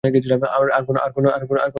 আরে কোনো বাক্সতে তো মাল থাকবে?